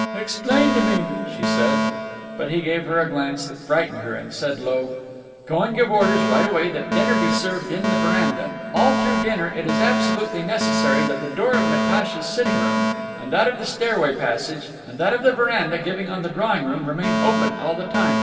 "Explain to me," she said. But he gave her a glance that frightened her, and said low: "Go and give orders right away that dinner be served in the veranda. All through dinner it is absolutely necessary that the door of Natacha's sitting room, and that of the stairway passage, and that of the veranda giving on the drawing room remain open all the time.